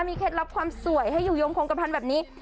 เคล็ดลับความสวยให้อยู่ยงคงกระพันธุ์แบบนี้